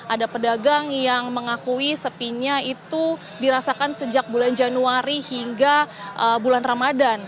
ada pedagang yang mengakui sepinya itu dirasakan sejak bulan januari hingga bulan ramadan